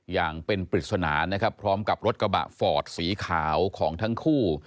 อย่างเป็นปริศนานะครับพร้อมกับรถกระบะฟอร์ดสีขาวของทั้งคู่